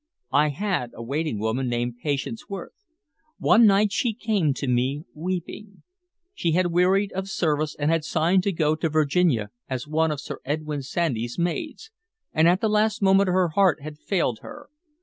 I had a waiting woman named Patience Worth. One night she came to me, weeping. She had wearied of service, and had signed to go to Virginia as one of Sir Edwyn Sandys' maids, and at the last moment her heart had failed her.